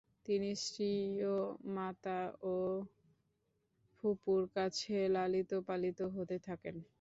তিনি স্বীয় মাতা ও ফুফুর কাছে লালিত-পালিত হতে থাকেন।